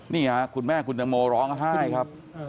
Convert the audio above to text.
นี่ค่ะคุณแม่คุณตังโมร้องไห้ครับ